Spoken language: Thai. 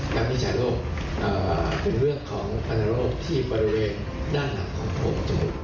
การพิษัยโรคเป็นเรื่องของปันโรคที่บริเวณด้านหลังของโจมจมูก